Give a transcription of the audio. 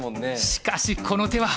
しかしこの手は。